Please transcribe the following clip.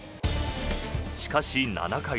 しかし、７回。